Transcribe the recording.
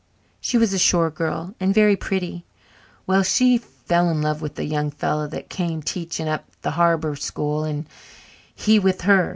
"She was a shore girl and very pretty. Well, she fell in love with a young fellow that came teaching up t' the harbour school and he with her.